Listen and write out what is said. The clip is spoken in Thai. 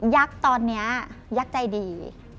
ักษ์ตอนนี้ยักษ์ใจดี